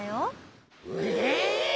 ええ！